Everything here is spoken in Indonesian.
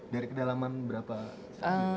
dari kedalaman berapa